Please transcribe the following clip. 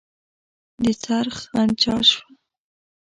د څرخ غنجا شوه.